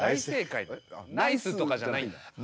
ナイスとかじゃないんだ。